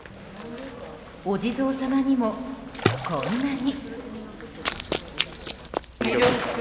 お地蔵様にも、こんなに。